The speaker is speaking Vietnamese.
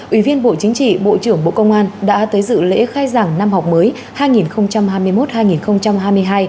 ủy viên bộ chính trị bộ trưởng bộ công an đã tới dự lễ khai giảng năm học mới hai nghìn hai mươi một hai nghìn hai mươi hai